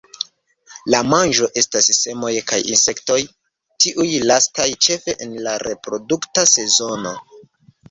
La manĝo estas semoj kaj insektoj, tiuj lastaj ĉefe en la reprodukta sezono.